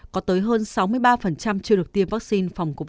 có tới hơn sáu mươi ba chưa được tiêm vaccine phòng covid một mươi chín